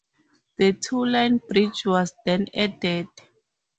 The two-line bridge was then added.